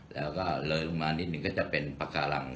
แล้วเลลงมานิดนึงก็จะเป็นปการัง